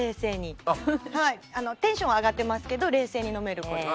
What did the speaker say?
テンションは上がってますけど冷静に飲める子です。